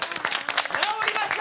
治りました！